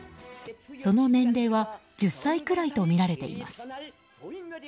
その年齢は１０歳くらいとみられています。